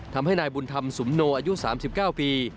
ทำให้นายบุญธรรมสุมโนอายุ๓๙ปี